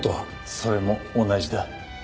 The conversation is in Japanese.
それも同じだ。